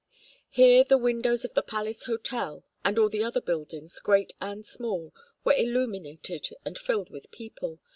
Here the windows of the Palace Hotel, and all the other buildings, great and small, were illuminated and filled with people.